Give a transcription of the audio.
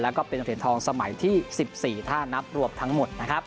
แล้วก็เป็นเหรียญทองสมัยที่๑๔ถ้านับรวมทั้งหมดนะครับ